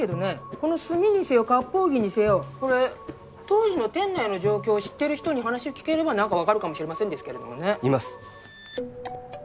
この炭にせよ割烹着にせよこれ当時の店内の状況を知ってる人に話聞ければ何か分かるかもしれませんけどねいます